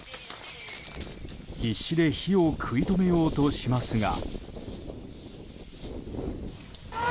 必死で火を食い止めようとしますが。